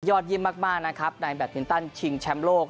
ยอดยิ่มมากนะครับไนแบทมิลตันชิงแชมป์โลก